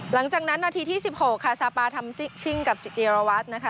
หลังจากนั้นนาทีที่สิบหกค่ะซาปาทำชิ้นกับจิตรียาวัฒน์นะคะ